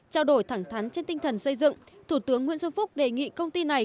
trao đổi thẳng thắn trên tinh thần xây dựng thủ tướng nguyễn xuân phúc đề nghị công ty này